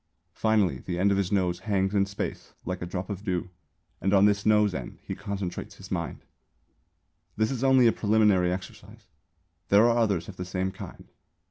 Finally the end of his nose hangs in space like a drop of dew and on this nose end he concentrates his mind. This is only a preliminary exercise. There are others of the same kind.